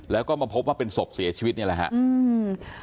แล้วก็มาพบว่าเป็นศพเสียชีวิตนี่แหละครับ